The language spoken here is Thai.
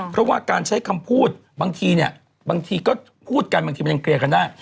เพราะว่าการใช้คำพูดบางทีก็พูดกันบางทีมันยังเกลียดกันได้